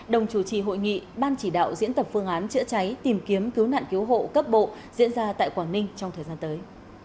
đồng chủ trì hội nghị ban chỉ đạo diễn tập phương án chữa cháy tìm kiếm cứu nạn cứu hộ cấp bộ diễn ra tại quảng ninh trong thời gian tới